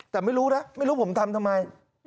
แต่ไม่รู้นะไม่รู้ผมทำทำไม